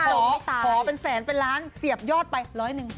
ขอเป็นแสนเป็นล้านเสียบยอดไปร้อยหนึ่ง